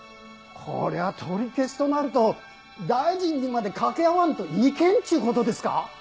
こりゃあ取り消すとなると大臣にまで掛け合わんといけんっちゅうことですか。